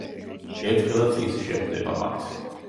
ერთხელაც ის შეხვდება მათ.